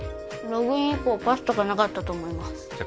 ログイン以降パスとかなかったと思いますじゃ